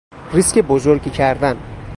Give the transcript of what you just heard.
ریسک بزرگی کردن